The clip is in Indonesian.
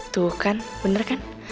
tuh kan bener kan